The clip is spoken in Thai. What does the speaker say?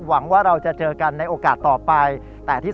หวังว่าเราจะเจอกันในโอกาสต่อไปแต่ที่